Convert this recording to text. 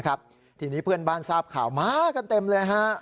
นะครับทีนี้เพื่อนบ้านสาปข่าวมากันเต็มเลยฮะ